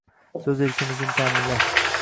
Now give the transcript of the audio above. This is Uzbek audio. So'z erkinligini ta'minlash